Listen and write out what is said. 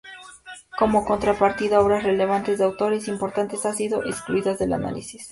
Como contrapartida, obras relevantes de autores importantes han sido excluidas del análisis.